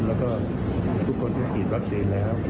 แล้วก็ทุกคนก็กินวัตเซนแล้วครับ